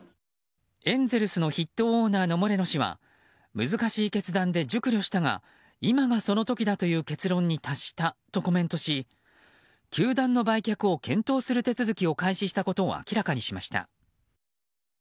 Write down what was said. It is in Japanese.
エンゼルスの筆頭オーナーのモレノ氏は難しい決断で熟慮したが今がその時だという結論に達したとコメントし球団の売却を検討する手続きを開始したことを明らかにしました。